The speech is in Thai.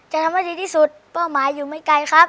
จะทำให้ดีที่สุดเป้าหมายอยู่ไม่ไกลครับ